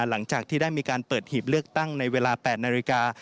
หลังจากที่ได้มีการเปิดหีบเลือกตั้งในเวลา๘นาฬิกา